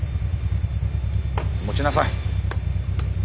持ちなさい。